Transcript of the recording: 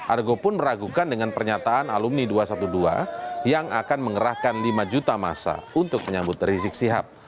argo pun meragukan dengan pernyataan alumni dua ratus dua belas yang akan mengerahkan lima juta masa untuk menyambut rizik sihab